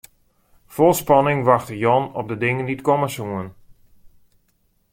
Fol spanning wachte Jan op de dingen dy't komme soene.